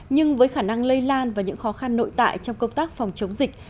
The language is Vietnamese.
nhưng với khả năng lây lan và những khó khăn nội tại trong công tác phòng chống dịch